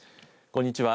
こんにちは。